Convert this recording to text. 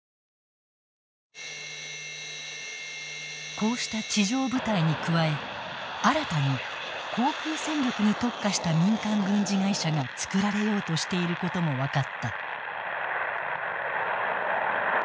こうした地上部隊に加え新たに航空戦力に特化した民間軍事会社が作られようとしていることも分かった。